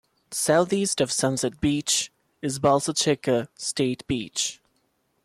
Southeast of Sunset Beach is Bolsa Chica State Beach.